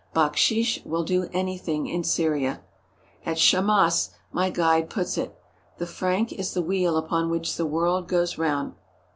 Baksheesh will do anything in Syria. As Shammas, my guide, puts it: "The franc is the wheel upon which the world goes round."